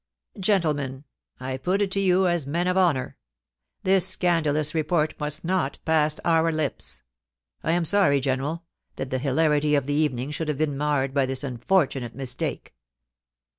Gentlemen, I put it to you as men of honour : this scandalous report must not pass our lips. I am sorry, General, that the hilarity of the evening should have been marred by this unfortunate mistake.'